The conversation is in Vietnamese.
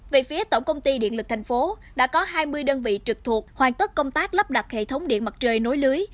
về phía tổng công ty điện lực thành phố đã có hai mươi đơn vị trực thuộc hoàn tất công tác lắp đặt hệ thống điện mặt trời nối lưới